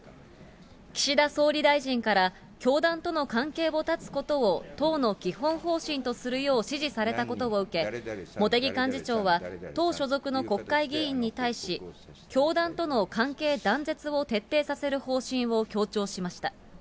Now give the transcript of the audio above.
岸田総理大臣から、教団との関係を断つことを党の基本方針とするよう指示されたことを受け、茂木幹事長は党所属の国会議員に対し、教団との関係断絶を徹底させる方針を強調しました。